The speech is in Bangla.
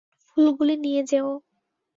ফুলগুলি নিয়ে যেও।